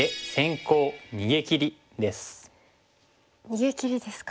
逃げ切りですか。